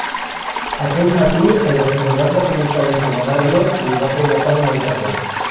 Aquell matí, el refredat va començar a incomodar-lo i li va provocar molta tos.